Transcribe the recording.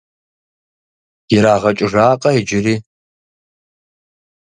Иригъэкӏыжакъэ иджыри?